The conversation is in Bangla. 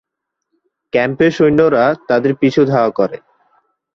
ক্যাম্পের সৈন্যরা তাদের পিছু ধাওয়া করে।